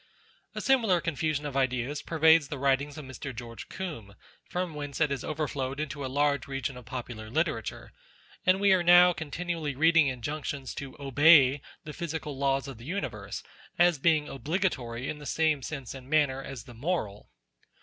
A similar confusion of ideas pervades the writings of Mr. George Cornbe, from whence it has overflowed into a large region of popular literature, and we are now con tinually reading injunctions to obey the physical laws of the universe, as being obligatory in the same sense and manner as the moral.